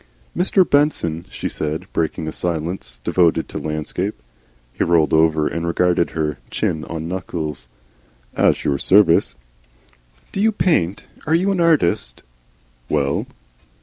"Mr. Benson," she said, breaking a silence devoted to landscape. He rolled over and regarded her, chin on knuckles. "At your service." "Do you paint? Are you an artist?" "Well."